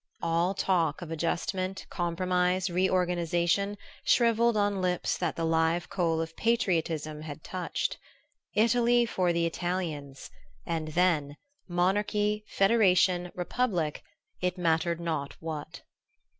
All talk of adjustment, compromise, reorganization, shrivelled on lips that the live coal of patriotism had touched. Italy for the Italians, and then monarchy, federation, republic, it mattered not what!